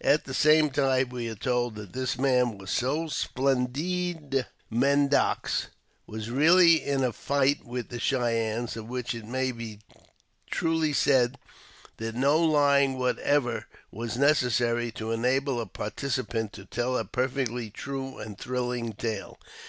At the same time we are told that this man who was so splendide mendax was really in a fight with the Cheyennes, of which it may be truly said that no lying whatever was necessary to enable a participant to tell a perfectly true and thrilling tale.